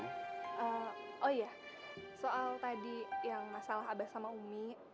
oh iya soal tadi yang masalah abah sama umi